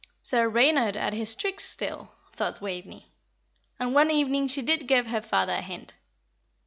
"Sir Reynard at his tricks still," thought Waveney. And one evening she did give her father a hint.